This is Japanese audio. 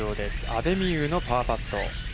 阿部未悠のパーパット。